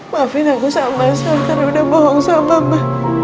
maafin aku sama sama karena udah bohong sama ma